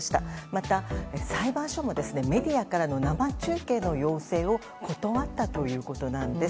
また裁判所もメディアからの生中継の要請を断ったということなんです。